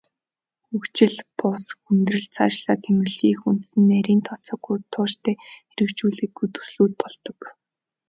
Хөгжил бус хүндрэл, цаашлаад хямралын эх үндэс нь нарийн тооцоогүй, тууштай хэрэгжүүлээгүй төслүүд болдог.